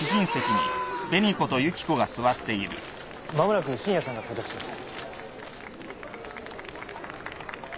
間もなく信也さんが到着します。